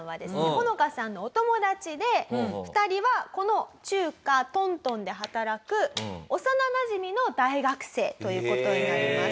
ホノカさんのお友達で２人はこの中華東東で働く幼なじみの大学生という事になります。